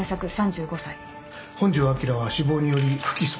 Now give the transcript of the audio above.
本庄昭は死亡により不起訴。